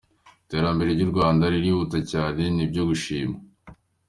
Iterambere ry’u Rwanda ririhuta cyane, ni ibyo gushimwa.